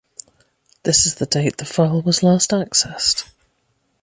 This is the date the file was last accessed.